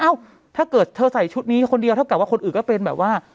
ถ้าเกิดเธอใส่ชุดนี้คนเดียวเท่ากับว่าคนอื่นก็เป็นแบบว่า